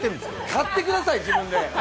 買ってください、自分で！